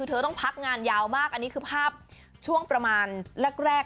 เธอต้องพักงานยาวมากอันนี้คือภาพช่วงประมาณแรก